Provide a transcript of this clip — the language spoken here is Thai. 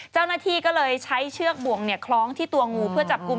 เจ้าหน้าที่ก็เลยใช้เชือกบ่วงคล้องที่ตัวงูเพื่อจับกลุ่ม